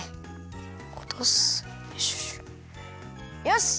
よし！